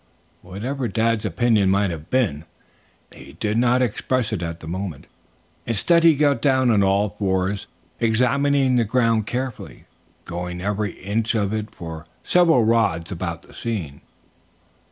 Whatever Dad's opinion might have been, he did not express it at the moment. Instead he got down on all fours, examining the ground carefully, going over every inch of it for several rods about the scene.